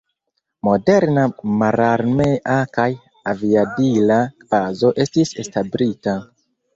Moderna mararmea kaj aviadila bazo estis establita.